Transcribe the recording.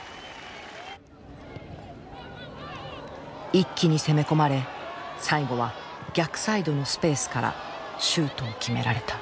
一気に攻め込まれ最後は逆サイドのスペースからシュートを決められた。